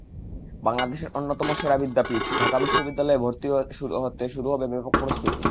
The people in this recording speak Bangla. বাংলাদেশের অন্যতম সেরা বিদ্যাপীঠ, ঢাকা বিশ্ববিদ্যালয়ে ভর্তি হতে শুরু হবে ব্যাপক প্রস্তুতি।